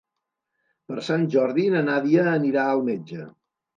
Per Sant Jordi na Nàdia anirà al metge.